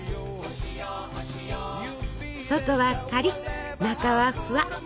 外はカリッ中はフワ。